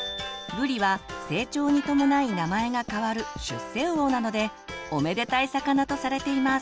ぶりは成長に伴い名前が変わる出世魚なのでおめでたい魚とされています。